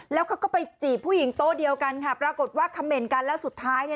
แล้วเขาก็ไปจีบผู้หญิงโต๊ะเดียวกันค่ะปรากฏว่าคำเหน่นกันแล้วสุดท้ายเนี่ย